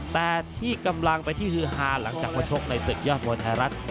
แต่ที่กำลังเป็นที่ฮือฮาหลังจากมาชกในศึกยอดมวยไทยรัฐ